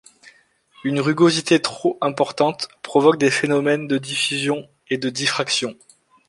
Une rugosité trop importante provoque des phénomènes de diffusion et de diffraction.